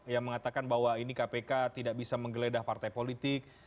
yang mengatakan bahwa ini kpk tidak bisa menggeledah partai politik